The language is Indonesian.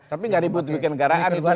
tapi gak ribut bikin negaraan